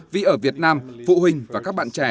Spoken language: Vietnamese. vì ở việt nam phụ huynh và các bạn trẻ